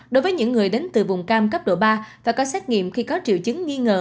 đối với những người đến từ vùng cam cấp độ ba và có xét nghiệm khi có triệu chứng nghi ngờ